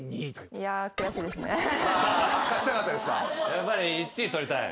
やっぱり１位取りたい？